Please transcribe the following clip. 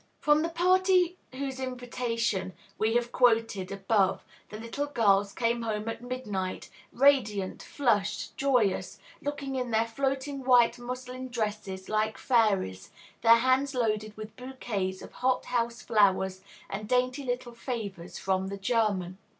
From the party whose invitation we have quoted above the little girls came home at midnight, radiant, flushed, joyous, looking in their floating white muslin dresses like fairies, their hands loaded with bouquets of hot house flowers and dainty little "favors" from the German.